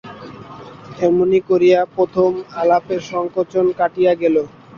এমনি করিয়া প্রথম আলাপের সংকোচ কাটিয়া গেল।